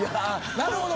なるほど。